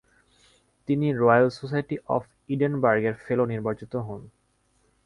তিনি Royal Society of এডিনবার্গ-এর fellow নির্বাচিত হন।